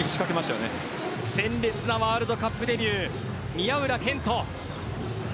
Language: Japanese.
鮮烈なワールドカップデビュー宮浦健人。